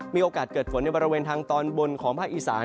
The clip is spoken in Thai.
มีโอกาสเกิดฝนในบริเวณทางตอนบนของภาคอีสาน